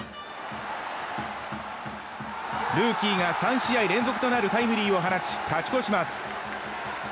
ルーキーが３試合連続となるタイムリーを放ち勝ち越します。